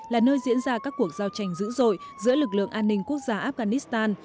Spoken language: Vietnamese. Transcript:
là nơi diễn ra các cuộc giao tranh dữ dội giữa lực lượng an ninh quốc gia afghanistan